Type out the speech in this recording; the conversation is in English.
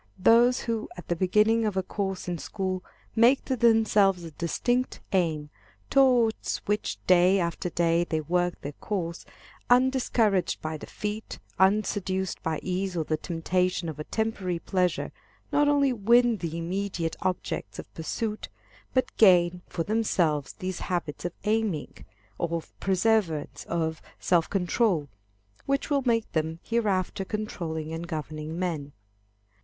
Those who at the beginning of a course in school make to themselves a distinct aim, towards which day after day they work their course, undiscouraged by defeat, unseduced by ease or the temptation of a temporary pleasure, not only win the immediate objects of pursuit, but gain for themselves those habits of aiming, of perseverance, of self control, which will make them hereafter controlling and governing men.